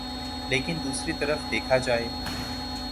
لیکن دوسری طرف دیکھا جائے